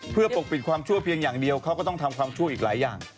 เพื่อปกปิดความชั่วเพียงอย่างเดียวเขาก็ต้องทำความชั่วอีกหลายอย่าง